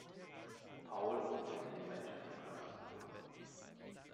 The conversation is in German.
Powell besuchte die Manchester Grammar School.